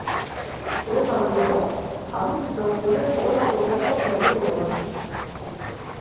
Lehen aldia da administrazio honek horrelako sari bat saltzen duena.